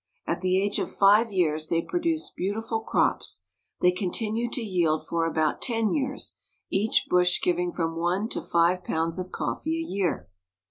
At the age of five years they produce bountiful crops ; they continue to yield for about ten years, each bush giving from one to five pounds of coffee a year.